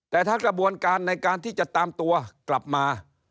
แต่ถ้ากระบวนการในการที่จะตามตัวกลับมา